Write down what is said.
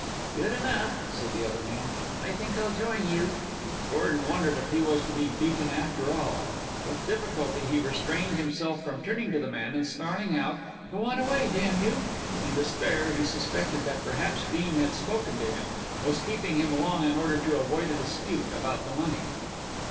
"Good enough," said the other man, "I think I'll join you." Gordon wondered if he was to be beaten after all. With difficulty he restrained himself from turning to the man and snarling out, "Go on away, damn you!" In despair he suspected that perhaps Dean had spoken to him, was keeping him along in order to avoid a dispute about the money.